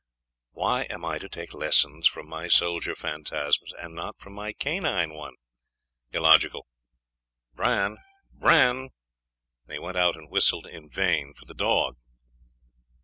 Why am I to take lessons from my soldier phantasms, and not from my canine one? Illogical! Bran! Bran!' and he went out and whistled in vain for the dog.